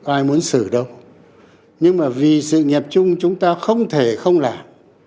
ai muốn xử đâu nhưng mà vì sự nghiệp chung chúng ta không thể không làm